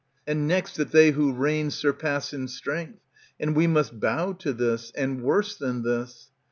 And next, that they who reign surpass in strength. And we must bow to this, and worse than this.